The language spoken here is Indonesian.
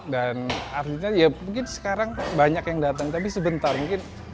dan artinya ya mungkin sekarang banyak yang datang tapi sebentar mungkin